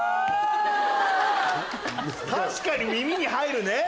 確かに耳に入るね。